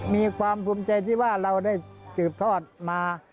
มีความภูมิใจที่ว่าเราได้สืบทอดมา